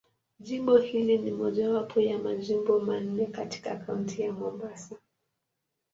Jimbo hili ni mojawapo ya Majimbo manne katika Kaunti ya Mombasa.